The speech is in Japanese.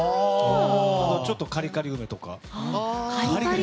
ちょっとカリカリ梅とか。